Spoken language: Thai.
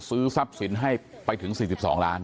ซื้อทรัพย์สินให้ไปถึง๔๒ล้าน